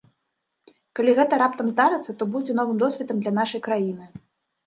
Калі гэта раптам здарыцца, то будзе новым досведам для нашай краіны.